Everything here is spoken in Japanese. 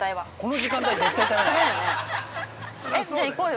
◆じゃあ、行こうよ。